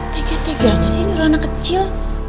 teganya teganya sih ini orang anak kecil